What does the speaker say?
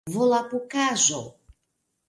volapukaĵo